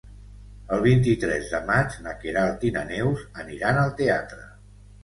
El vint-i-tres de maig na Queralt i na Neus aniran al teatre.